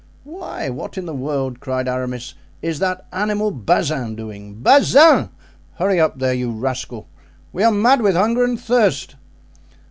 "Why, what in the world," cried Aramis, "is that animal Bazin doing? Bazin! Hurry up there, you rascal; we are mad with hunger and thirst!"